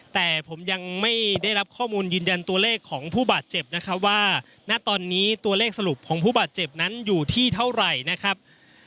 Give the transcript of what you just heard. แต่ผมยังไม่ได้รับข้อมูลยืนยันตัวเลขของผู้บาดเจ็บนะครับว่าณตอนนี้ตัวเลขสรุปของผู้บาดเจ็บนั้นอยู่ที่เท่าไหร่นะครับ